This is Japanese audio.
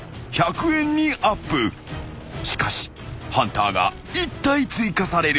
［しかしハンターが１体追加される］